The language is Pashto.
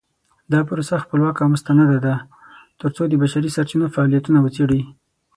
دا پروسه خپلواکه او مستنده ده ترڅو د بشري سرچینو فعالیتونه وڅیړي.